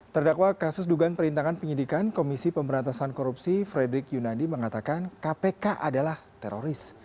terdakwa kasus dugaan perintangan penyidikan komisi pemberantasan korupsi frederick yunandi mengatakan kpk adalah teroris